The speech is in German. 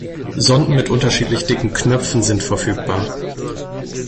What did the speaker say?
Sonden mit unterschiedlich dicken "Knöpfen" sind verfügbar.